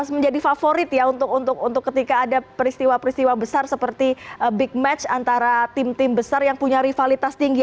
menjadi favorit ya untuk ketika ada peristiwa peristiwa besar seperti big match antara tim tim besar yang punya rivalitas tinggi